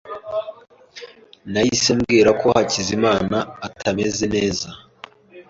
Nahise mbwira ko Hakizimana atameze neza.